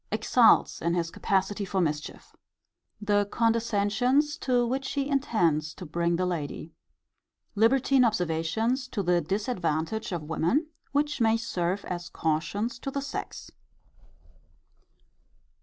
Exults in his capacity for mischief. The condescensions to which he intends to bring the lady. Libertine observations to the disadvantage of women; which may serve as cautions to the sex.